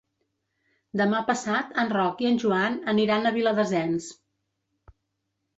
Demà passat en Roc i en Joan aniran a Viladasens.